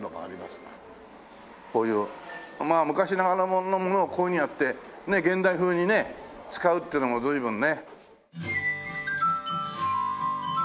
こういう昔ながらのものをこういうふうにやって現代風にね使うっていうのも随分ね。